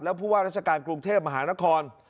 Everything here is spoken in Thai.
และผู้ว่าราชการกรุงเทพมหานคร